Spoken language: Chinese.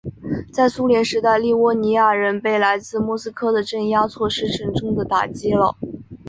在苏联时代立窝尼亚人被来自莫斯科的镇压措施沉重地打击了。